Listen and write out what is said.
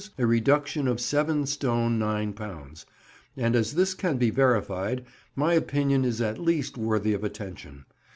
_, a reduction of 7 stone 9 lbs.; and as this can be verified, my opinion is at least worthy of attention.